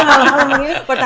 kalau mengirim ke kota heret